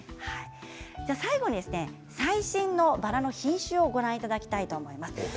最後に最新のバラの品種をご覧いただきたいと思います。